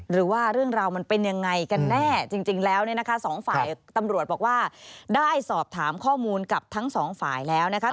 หรือว่าเรื่องเรามันเป็นยังไงกันแน่